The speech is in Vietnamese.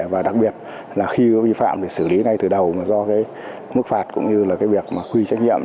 và đặc biệt là khi vi phạm thì xử lý ngay từ đầu do mức phạt cũng như là việc quy trách nhiệm